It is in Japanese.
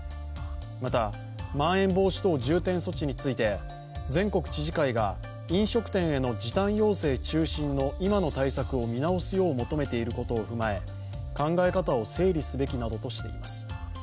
また、まん延防止等重点措置について、全国知事会が、飲食店への時短要請中心の今の対策を見直すよう求めていることを踏まえ、考え方を整理すべきなどとしています。